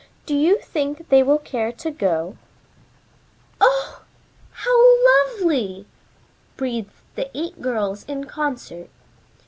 Do you think they will care to go?" "Oh h h h! How lovely!" breathed the eight girls in concert.